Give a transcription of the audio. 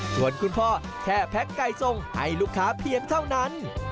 ส่วนคุณพ่อแค่แพ็กไก่ทรงให้ลูกค้าเพียงเท่านั้น